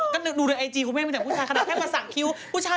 ก็ดูในไอจีคุณแม่เป็นแต่ผู้ชาย